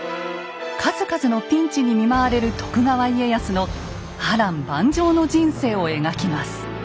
数々のピンチに見舞われる徳川家康の波乱万丈の人生を描きます。